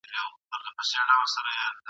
بس تیندکونه خورمه ..